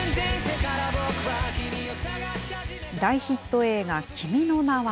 大ヒット映画、君の名は。